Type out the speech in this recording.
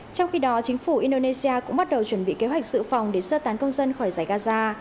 trong khi đó chính phủ indonesia cũng bắt đầu chuẩn bị kế hoạch sự phòng để sơ tán công dân khỏi giải gaza